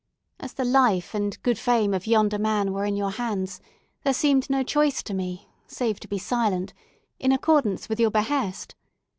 As the life and good fame of yonder man were in your hands there seemed no choice to me, save to be silent in accordance with your behest.